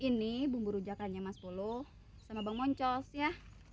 hai ini bumbu rujakan yang mas polo sama bang moncos ya